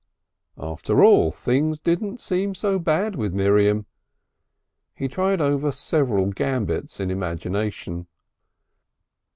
After all, things didn't seem so bad with Miriam. He tried over several gambits in imagination.